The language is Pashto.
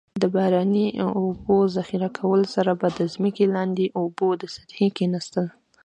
د باراني اوبو ذخیره کولو سره به د ځمکې لاندې اوبو د سطحې کیناستل.